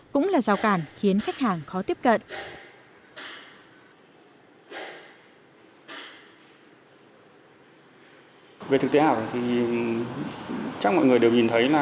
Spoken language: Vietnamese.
cũng là rào cản khiến khách hàng khó tiếp cận